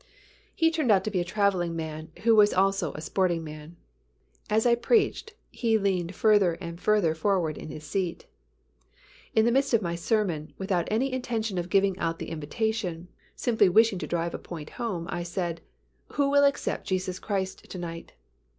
He turned out to be a travelling man who was also a sporting man. As I preached, he leaned further and further forward in his seat. In the midst of my sermon, without any intention of giving out the invitation, simply wishing to drive a point home, I said, "Who will accept Jesus Christ to night?"